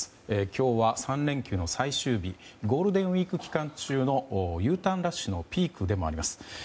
今日は、３連休の最終日ゴールデンウィーク期間中のＵターンラッシュのピークでもあります。